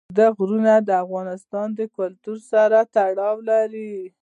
اوږده غرونه د افغان کلتور سره تړاو لري.